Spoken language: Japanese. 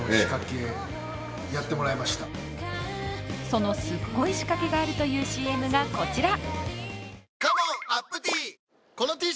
その、すっごい仕掛けがあるというＣＭがこちら。